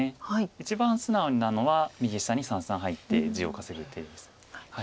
一番素直なのは右下に三々入って地を稼ぐ手です。